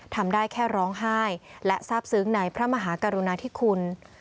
ทำได้แค่ร้องไห้และทราบซึ้งในพระมหากรุณาธิคุณ